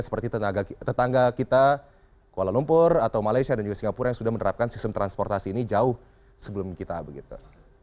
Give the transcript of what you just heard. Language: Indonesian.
seperti tetangga kita kuala lumpur atau malaysia dan juga singapura yang sudah menerapkan sistem transportasi ini jauh sebelum kita begitu